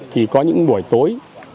thì có những buổi tối